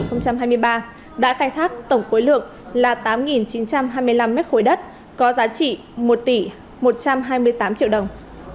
đã khai thác tổng khối lượng là tám chín trăm hai mươi năm m ba đất có giá trị một tỷ một trăm hai mươi tám triệu đồng